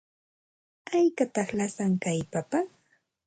¿Haykataq lasan kay papa?